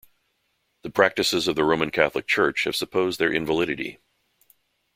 The practices of the Roman Catholic Church had supposed their invalidity.